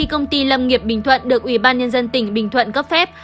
công ty lâm nghiệp bình thuận được ủy ban nhân dân tỉnh bình thuận cấp phép